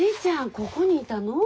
ここにいたの。